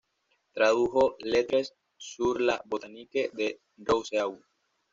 Tradujo "Lettres sur la botanique" de Rousseau.